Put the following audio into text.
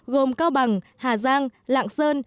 gồm cao bằng hà giang lạng sơn